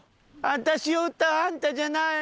私を打ったあんたじゃない。